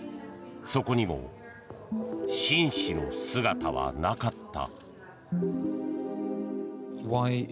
そこにもシン氏の姿はなかった。